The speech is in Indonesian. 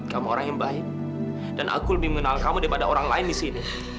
kamu orang yang baik dan aku lebih mengenal kamu daripada orang lain di sini